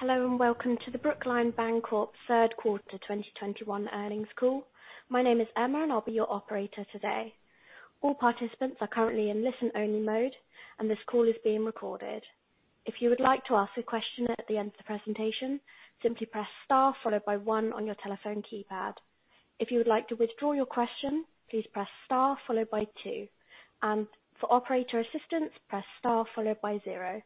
Hello, and welcome to the Brookline Bancorp third quarter 2021 earnings call. My name is Emma, and I'll be your operator today. All participants are currently in listen-only mode, and this call is being recorded. If you would like to ask a question at the end of the presentation, simply press Star followed by one on your telephone keypad. If you would like to withdraw your question, please press Star followed by two. For operator assistance, press Star followed by zero.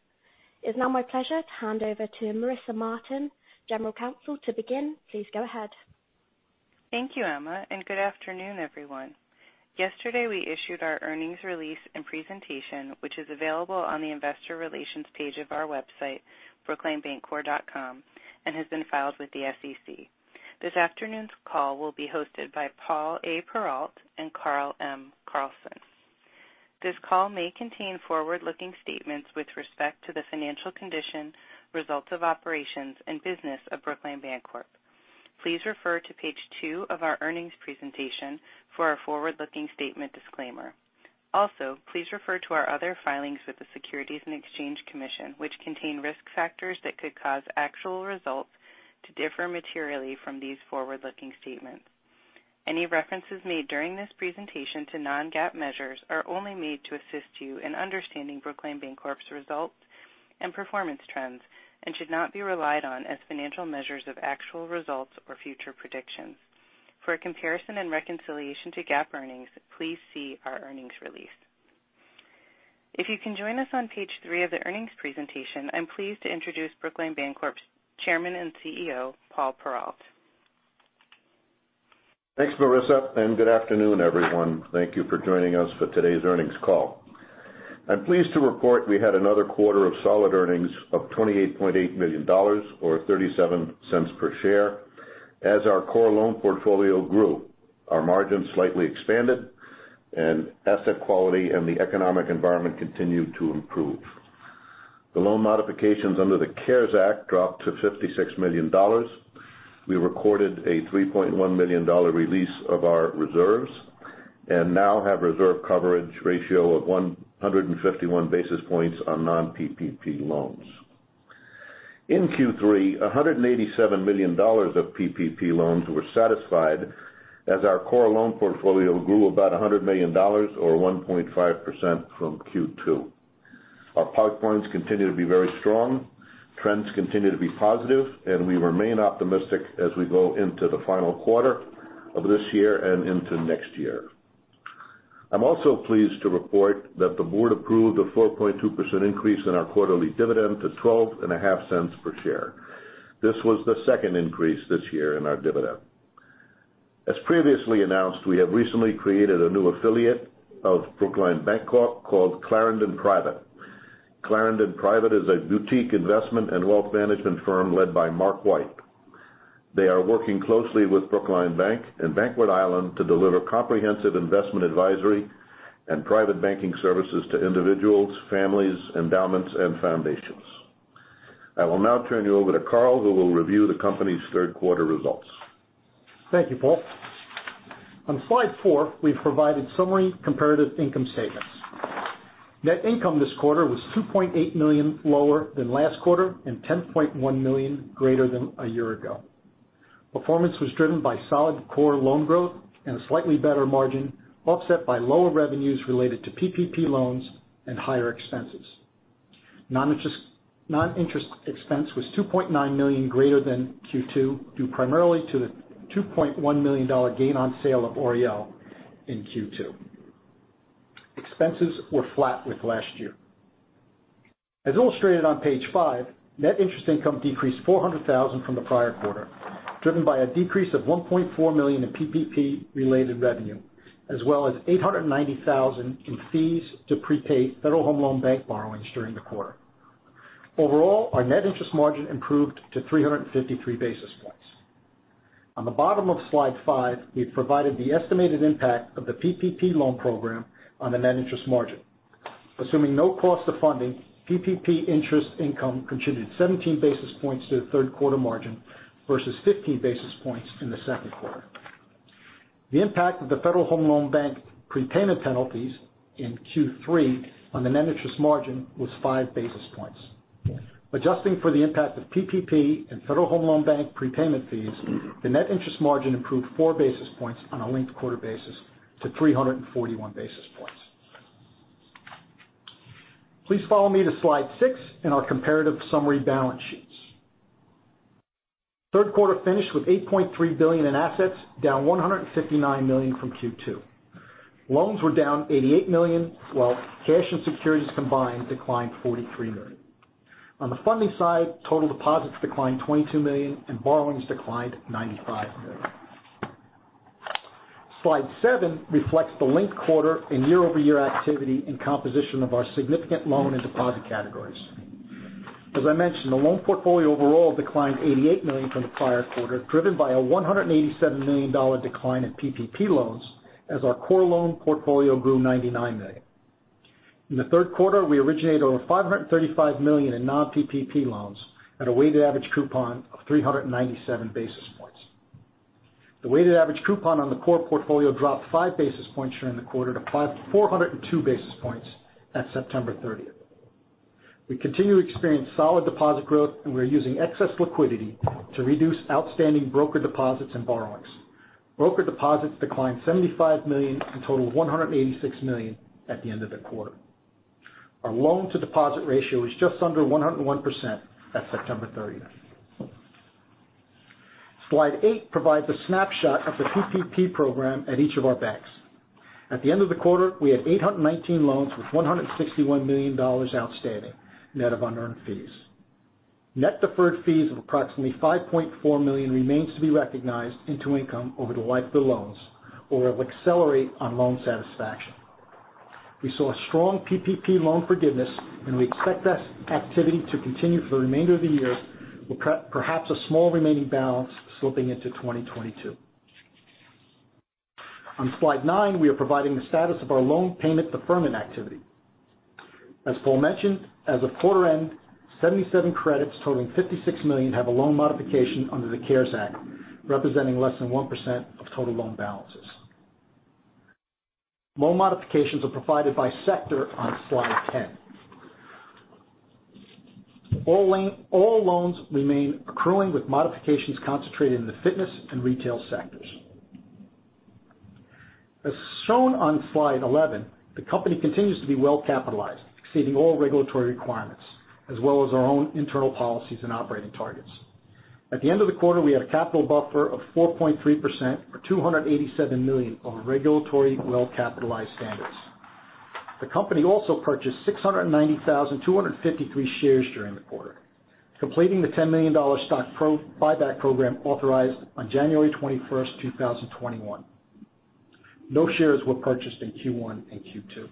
It's now my pleasure to hand over to Marissa Martin, General Counsel, to begin. Please go ahead. Thank you, Emma, and good afternoon, everyone. Yesterday, we issued our earnings release and presentation, which is available on the investor relations page of our website, brooklinebancorp.com, and has been filed with the SEC. This afternoon's call will be hosted by Paul A. Perrault and Carl M. Carlson. This call may contain forward-looking statements with respect to the financial condition, results of operations, and business of Brookline Bancorp. Please refer to page two of our earnings presentation for our forward-looking statement disclaimer. Also, please refer to our other filings with the Securities and Exchange Commission, which contain risk factors that could cause actual results to differ materially from these forward-looking statements. Any references made during this presentation to non-GAAP measures are only made to assist you in understanding Brookline Bancorp's results and performance trends and should not be relied on as financial measures of actual results or future predictions. For a comparison and reconciliation to GAAP earnings, please see our earnings release. If you can join us on page three of the earnings presentation, I'm pleased to introduce Brookline Bancorp's Chairman and CEO, Paul A. Perrault. Thanks, Marissa, and good afternoon, everyone. Thank you for joining us for today's earnings call. I'm pleased to report we had another quarter of solid earnings of $28.8 million or $0.37 per share. As our core loan portfolio grew, our margins slightly expanded, and asset quality and the economic environment continued to improve. The loan modifications under the CARES Act dropped to $56 million. We recorded a $3.1 million release of our reserves and now have a reserve coverage ratio of 151 basis points on non-PPP loans. In Q3, $187 million of PPP loans were satisfied as our core loan portfolio grew about $100 million or 1.5% from Q2. Our pipelines continue to be very strong. Trends continue to be positive, and we remain optimistic as we go into the final quarter of this year and into next year. I'm also pleased to report that the board approved a 4.2% increase in our quarterly dividend to $0.125 per share. This was the second increase this year in our dividend. As previously announced, we have recently created a new affiliate of Brookline Bancorp called Clarendon Private. Clarendon Private is a boutique investment and wealth management firm led by Marc White. They are working closely with Brookline Bank and Bank Rhode Island to deliver comprehensive investment advisory and private banking services to individuals, families, endowments, and foundations. I will now turn you over to Carl, who will review the company's third quarter results. Thank you, Paul. On slide four, we've provided summary comparative income statements. Net income this quarter was $2.8 million lower than last quarter and $10.1 million greater than a year ago. Performance was driven by solid core loan growth and a slightly better margin, offset by lower revenues related to PPP loans and higher expenses. Non-interest expense was $2.9 million greater than Q2, due primarily to the $2.1 million gain on sale of OREO in Q2. Expenses were flat with last year. As illustrated on page five, net interest income decreased $400,000 from the prior quarter, driven by a decrease of $1.4 million in PPP-related revenue, as well as $890,000 in fees to prepaid Federal Home Loan Bank borrowings during the quarter. Overall, our net interest margin improved to 353 basis points. On the bottom of slide 5, we've provided the estimated impact of the PPP loan program on the net interest margin. Assuming no cost of funding, PPP interest income contributed 17 basis points to the third quarter margin versus 15 basis points in the second quarter. The impact of the Federal Home Loan Bank prepayment penalties in Q3 on the net interest margin was 5 basis points. Adjusting for the impact of PPP and Federal Home Loan Bank prepayment fees, the net interest margin improved 4 basis points on a linked quarter basis to 341 basis points. Please follow me to slide 6 in our comparative summary balance sheets. Third quarter finished with $8.3 billion in assets, down $159 million from Q2. Loans were down $88 million, while cash and securities combined declined $43 million. On the funding side, total deposits declined $22 million, and borrowings declined $95 million. Slide 7 reflects the linked quarter in year-over-year activity and composition of our significant loan and deposit categories. As I mentioned, the loan portfolio overall declined $88 million from the prior quarter, driven by a $187 million decline in PPP loans as our core loan portfolio grew $99 million. In the third quarter, we originated over $535 million in non-PPP loans at a weighted average coupon of 397 basis points. The weighted average coupon on the core portfolio dropped 5 basis points during the quarter to 402 basis points at September 30. We continue to experience solid deposit growth, and we're using excess liquidity to reduce outstanding broker deposits and borrowings. Broker deposits declined $75 million to a total of $186 million at the end of the quarter. Our loan to deposit ratio is just under 101% at September thirtieth. Slide 8 provides a snapshot of the PPP program at each of our banks. At the end of the quarter, we had 819 loans with $161 million outstanding, net of unearned fees. Net deferred fees of approximately $5.4 million remains to be recognized into income over the life of the loans or will accelerate on loan satisfaction. We saw strong PPP loan forgiveness, and we expect that activity to continue for the remainder of the year, with perhaps a small remaining balance spilling into 2022. On slide nine, we are providing the status of our loan payment deferment activity. As Paul mentioned, as of quarter end, 77 credits totaling $56 million have a loan modification under the CARES Act, representing less than 1% of total loan balances. Loan modifications are provided by sector on slide ten. All loans remain accruing, with modifications concentrated in the fitness and retail sectors. As shown on slide eleven, the company continues to be well capitalized, exceeding all regulatory requirements as well as our own internal policies and operating targets. At the end of the quarter, we had a capital buffer of 4.3% or $287 million on our regulatory well-capitalized standards. The company also purchased 690,253 shares during the quarter, completing the $10 million stock buyback program authorized on January 21, 2021. No shares were purchased in Q1 and Q2.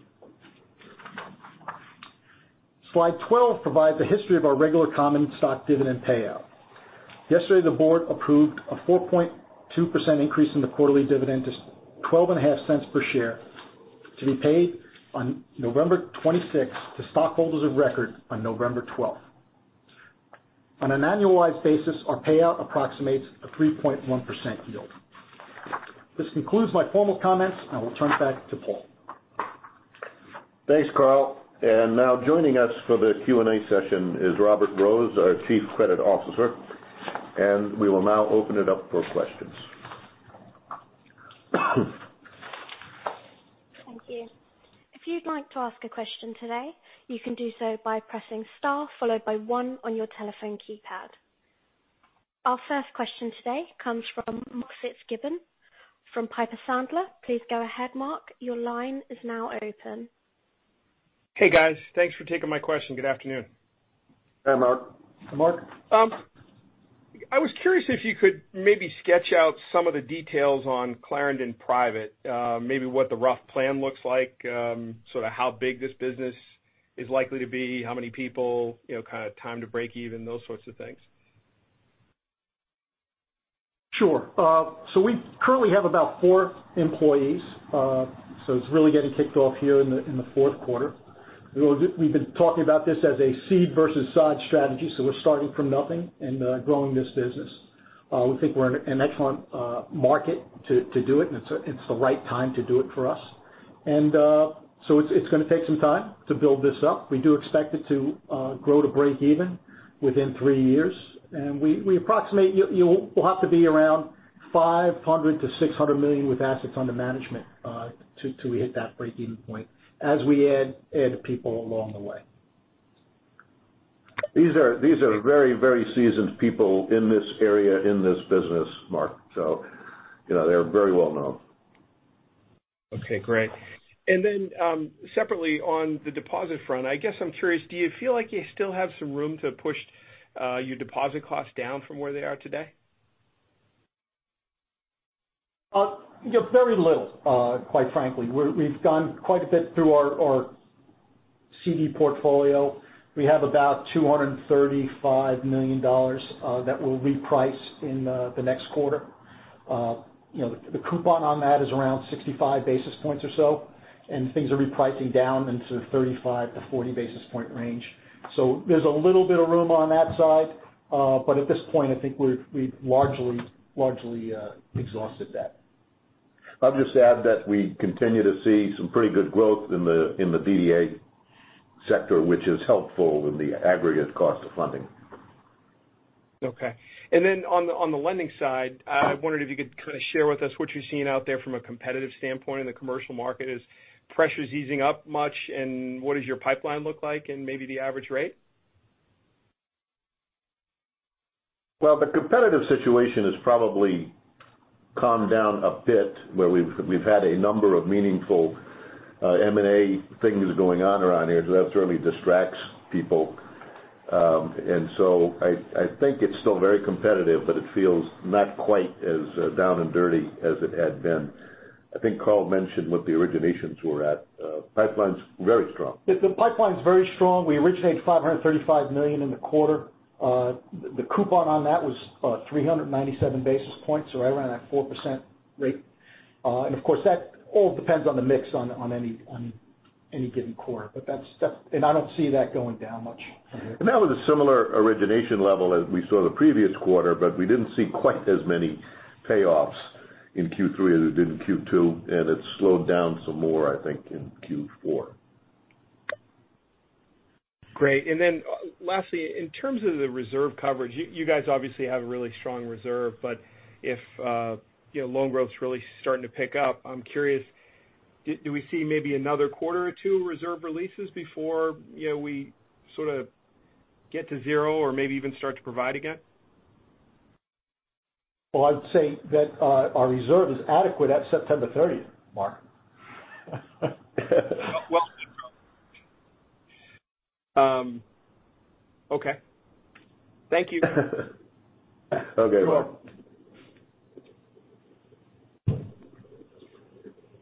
Slide 12 provides a history of our regular common stock dividend payout. Yesterday, the board approved a 4.2% increase in the quarterly dividend to $0.125 per share to be paid on November 26 to stockholders of record on November 12. On an annualized basis, our payout approximates a 3.1% yield. This concludes my formal comments, and I will turn it back to Paul. Thanks, Carl. Now joining us for the Q&A session is Robert Rose, our Chief Credit Officer, and we will now open it up for questions. Thank you. If you'd like to ask a question today, you can do so by pressing star followed by one on your telephone keypad. Our first question today comes from Mark Fitzgibbon from Piper Sandler. Please go ahead, Mark. Your line is now open. Hey, guys. Thanks for taking my question. Good afternoon. Hi, Marc. Mark. I was curious if you could maybe sketch out some of the details on Clarendon Private, maybe what the rough plan looks like, sort of how big this business is likely to be, how many people, you know, kind of time to break even, those sorts of things? Sure. We currently have about 4 employees. It's really getting kicked off here in the fourth quarter. You know, we've been talking about this as a seed versus sod strategy, so we're starting from nothing and growing this business. We think we're in an excellent market to do it, and it's the right time to do it for us. It's gonna take some time to build this up. We do expect it to grow to break even within 3 years. We approximate we'll have to be around $500 million-$600 million with assets under management to hit that break-even point as we add people along the way. These are very, very seasoned people in this area, in this business, Mark. You know, they're very well known. Okay, great. Separately on the deposit front, I guess I'm curious, do you feel like you still have some room to push your deposit costs down from where they are today? You know, very little, quite frankly. We've gone quite a bit through our CD portfolio. We have about $235 million that will reprice in the next quarter. You know, the coupon on that is around 65 basis points or so, and things are repricing down into 35-40 basis point range. There's a little bit of room on that side. At this point, I think we've largely exhausted that. I'll just add that we continue to see some pretty good growth in the DDA sector, which is helpful in the aggregate cost of funding. Okay. On the lending side, I wondered if you could kind of share with us what you're seeing out there from a competitive standpoint in the commercial market. Is pressures easing up much, and what does your pipeline look like and maybe the average rate? Well, the competitive situation has probably calmed down a bit, where we've had a number of meaningful M&A things going on around here, so that certainly distracts people. I think it's still very competitive, but it feels not quite as down and dirty as it had been. I think Carl mentioned what the originations were at. Pipeline's very strong. Yes, the pipeline's very strong. We originated $535 million in the quarter. The coupon on that was 397 basis points, so right around that 4% rate. Of course, that all depends on the mix on any given quarter, but that's stuff and I don't see that going down much from here. that was a similar origination level as we saw the previous quarter, but we didn't see quite as many payoffs in Q3 as it did in Q2, and it slowed down some more, I think, in Q4. Great. Lastly, in terms of the reserve coverage, you guys obviously have a really strong reserve, but if you know, loan growth is really starting to pick up, I'm curious, do we see maybe another quarter or two reserve releases before, you know, we sorta get to zero or maybe even start to provide again? Well, I'd say that our reserve is adequate at September 30, Marc. Well. Okay. Thank you. Okay, Mark. You're welcome.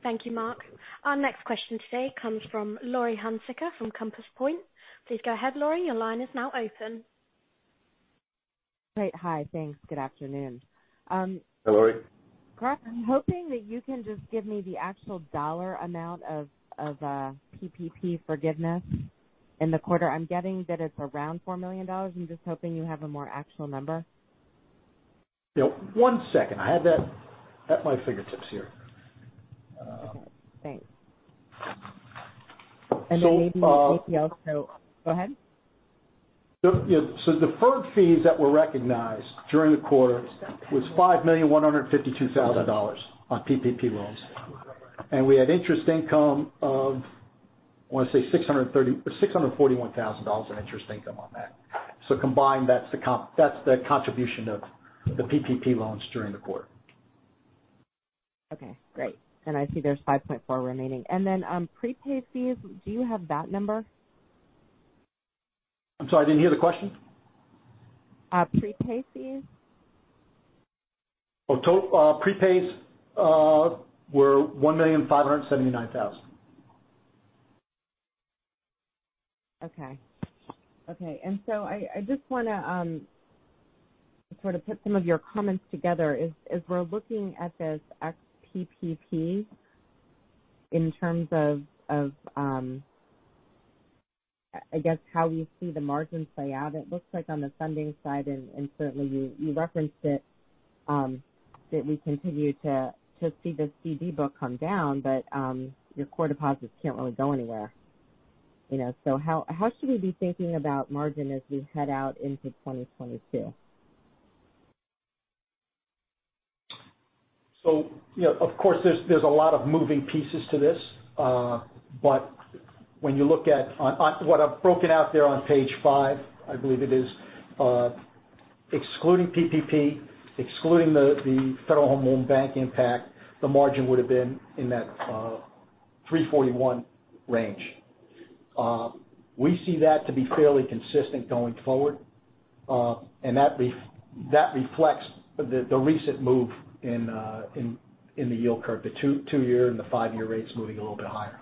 Thank you, Marc. Our next question today comes from Laurie Hunsicker from Compass Point. Please go ahead, Laurie. Your line is now open. Great. Hi. Thanks. Good afternoon. Hi, Laurie. Carl, I'm hoping that you can just give me the actual dollar amount of PPP forgiveness in the quarter. I'm getting that it's around $4 million. I'm just hoping you have a more actual number. Yeah. One second. I have that at my fingertips here. Okay, great. So, uh- Maybe you could also go ahead. Deferred fees that were recognized during the quarter was $5,152,000 on PPP loans. We had interest income of, I wanna say, $641,000 in interest income on that. Combined, that's the contribution of the PPP loans during the quarter. Okay, great. I see there's 5.4 remaining. Prepaid fees, do you have that number? I'm sorry, I didn't hear the question. Prepaid fees. Prepays were $1,579,000. Okay, I just want to sort of put some of your comments together. As we're looking at this ex-PPP in terms of, I guess how you see the margin play out, it looks like on the funding side, and certainly you referenced it, that we continue to see the CD book come down, but your core deposits can't really go anywhere, you know. How should we be thinking about margin as we head out into 2022? You know, of course, there's a lot of moving pieces to this. When you look at what I've broken out there on page 5, I believe it is, excluding PPP, excluding the Federal Home Loan Bank impact, the margin would have been in that 3.41% range. We see that to be fairly consistent going forward. That reflects the recent move in the yield curve, the 2-year and the 5-year rates moving a little bit higher.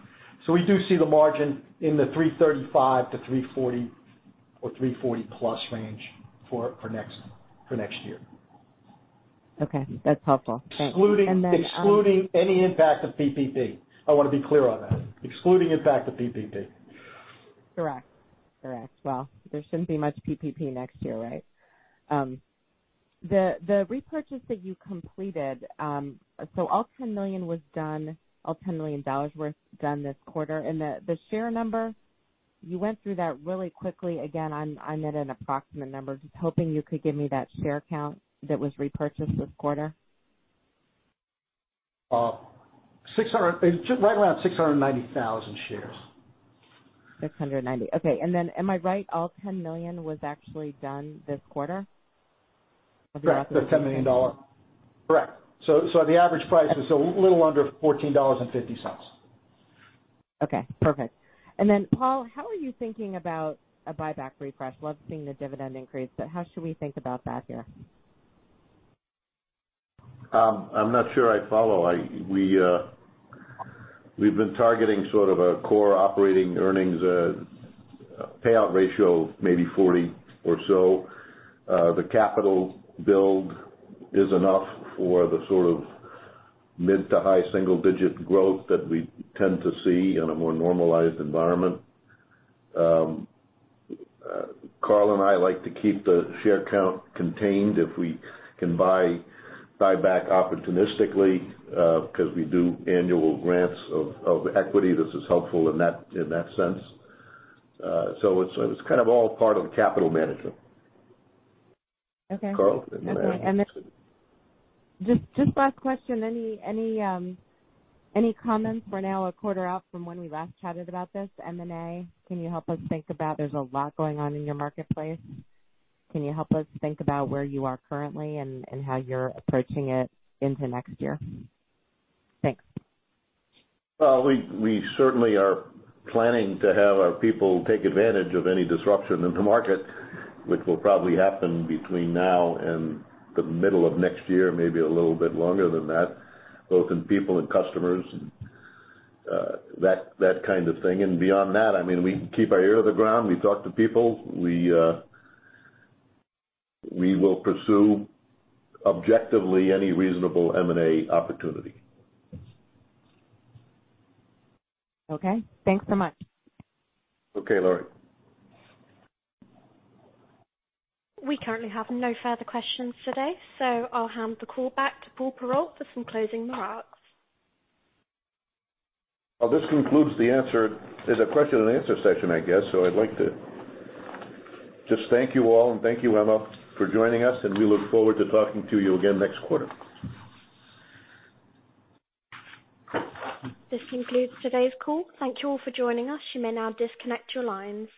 We do see the margin in the 3.35%-3.40% or 3.40%+ range for next year. Okay, that's helpful. Excluding- And then, um- Excluding any impact of PPP. I wanna be clear on that. Excluding impact of PPP. Correct. Well, there shouldn't be much PPP next year, right? The repurchase that you completed, so all $10 million was done, all $10 million worth done this quarter. The share number, you went through that really quickly. Again, I meant an approximate number. Just hoping you could give me that share count that was repurchased this quarter. It's right around 690,000 shares. 690. Okay. Am I right, all $10 million was actually done this quarter? Correct. The $10 million. Correct. So, the average price is a little under $14.50. Okay, perfect. Paul, how are you thinking about a buyback refresh? Love seeing the dividend increase, but how should we think about that here? I'm not sure I follow. We've been targeting sort of a core operating earnings payout ratio maybe 40 or so. The capital build is enough for the sort of mid- to high single-digit growth that we tend to see in a more normalized environment. Carl and I like to keep the share count contained if we can buy back opportunistically, 'cause we do annual grants of equity. This is helpful in that sense. It's kind of all part of capital management. Okay. Carl can elaborate too. Okay. Then just last question. Any comments? We're now a quarter out from when we last chatted about this M&A. Can you help us think about there's a lot going on in your marketplace. Can you help us think about where you are currently and how you're approaching it into next year? Thanks. Well, we certainly are planning to have our people take advantage of any disruption in the market, which will probably happen between now and the middle of next year, maybe a little bit longer than that, both in people and customers and that kind of thing. Beyond that, I mean, we keep our ear to the ground. We talk to people. We will pursue objectively any reasonable M&A opportunity. Okay. Thanks so much. Okay, Laurie. We currently have no further questions today, so I'll hand the call back to Paul Perrault for some closing remarks. Well, this concludes the question and answer session, I guess. I'd like to just thank you all and thank you, Emma, for joining us, and we look forward to talking to you again next quarter. This concludes today's call. Thank you all for joining us. You may now disconnect your lines.